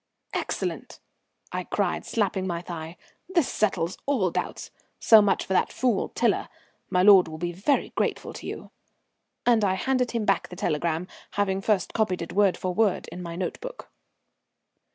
"Excellent!" I cried, slapping my thigh. "This settles all doubts. So much for that fool Tiler. My lord will be very grateful to you," and I handed him back the telegram, having first copied it word for word in my note book.